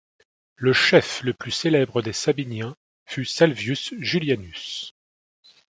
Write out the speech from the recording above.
Le chef le plus célèbre des Sabiniens fut Salvius Julianus.